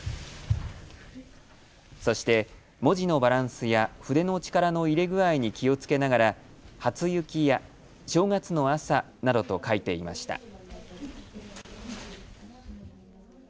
そして文字のバランスや筆の力の入れ具合に気をつけながらはつゆきや正月の朝などと書いていました。